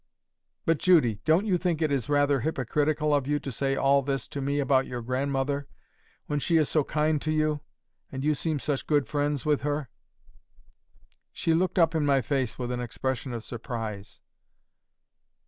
"But, Judy, don't you think it is rather hypocritical of you to say all this to me about your grandmother when she is so kind to you, and you seem such good friends with her?" She looked up in my face with an expression of surprise.